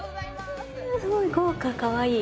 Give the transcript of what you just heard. すごい豪華かわいい！